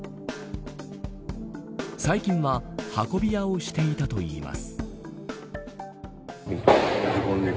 最近は運び屋をしていたといいます。